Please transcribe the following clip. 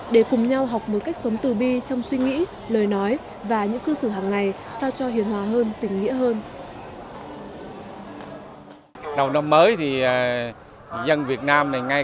để cùng nhau học một cách sống từ bi trong suy nghĩ lời nói và những cư xử hàng ngày